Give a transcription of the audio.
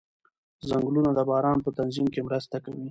ځنګلونه د باران په تنظیم کې مرسته کوي